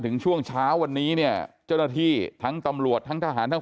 ช่วงเช้าวันนี้เนี่ยเจ้าหน้าที่ทั้งตำรวจทั้งทหารทั้ง